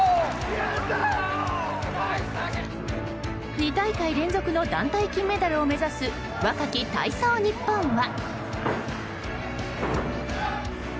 ２大会連続の団体金メダルを目指す若き体操日本は。